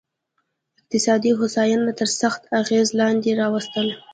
اقتصادي هوساینه تر سخت اغېز لاندې راوستل.